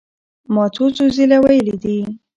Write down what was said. ما څو څو ځله وئيلي دي